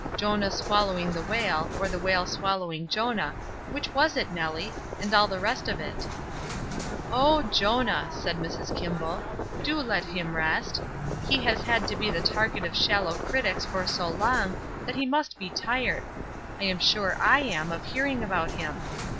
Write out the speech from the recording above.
"Jonah swallowing the whale, or the whale swallowing Jonah — which was it, Nellie? — and all the rest of it." "Oh, ' Jonah M" said Mrs. Kimball. "Do let him rest. He has had to be the target of shallow critics for so long that he must be tired; I am sure I am, of hearing about him.